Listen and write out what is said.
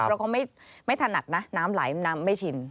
เพราะเขาไม่ถนัดนะน้ำไหลน้ำไม่ชิน